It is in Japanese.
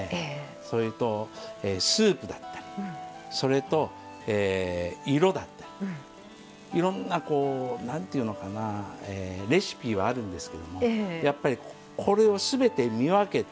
それとスープだったりそれと色だったりいろんなこう何ていうのかなレシピはあるんですけどもやっぱりこれを全て見分けて。